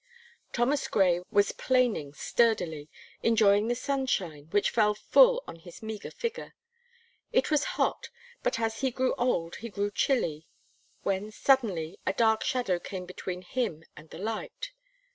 Thomas Gray was planing sturdily, enjoying the sunshine, which fell full on his meagre figure. It was hot; but as he grew old he grew chilly, when, suddenly, a dark shadow came between him and the light.